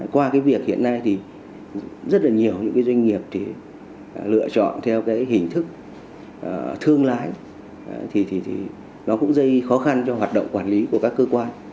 qua cái việc hiện nay thì rất là nhiều những cái doanh nghiệp thì lựa chọn theo cái hình thức thương lái thì nó cũng dây khó khăn cho hoạt động quản lý của các cơ quan